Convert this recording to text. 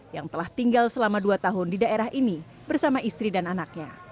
yang telah tinggal selama dua tahun di daerah ini bersama istri dan anaknya